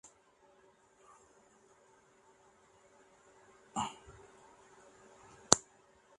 This permanent display is dedicated to educating students on the history of Samburu.